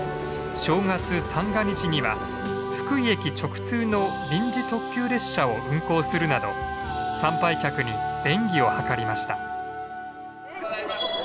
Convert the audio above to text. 正月三が日には福井駅直通の臨時特急列車を運行するなど参拝客に便宜を図りました。